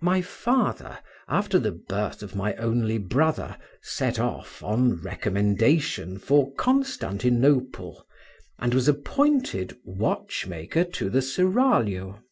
My father, after the birth of my only brother, set off, on recommendation, for Constantinople, and was appointed watchmaker to the Seraglio.